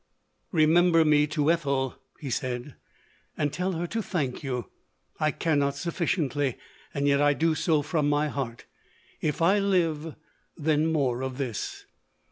"Remember me to Ethel, 1 lie said ;" and tell her to thank you ;— I cannot sufficiently ; yet I do so from my heart. If I live — then more of tin's.'